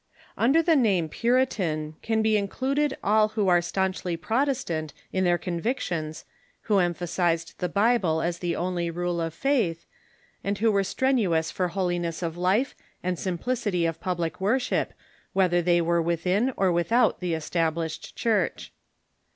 ] Under the name Puritan can be included all who were stanchly Protestant in their convictioRS, who emphasized the Bible as the only rule of faith, and who were strenuous for holiness of life and simplicity of public worship, whether they were within or without the Established Church.